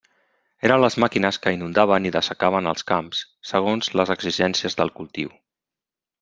Eren les màquines que inundaven i dessecaven els camps, segons les exigències del cultiu.